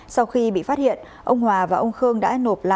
sau khi bị phát hiện ông hòa và ông khương đã nộp lại